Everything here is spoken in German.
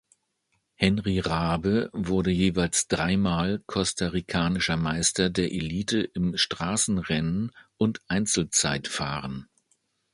Henry Raabe wurde jeweils dreimal costa-ricanischer Meister der Elite im Straßenrennen und Einzelzeitfahren.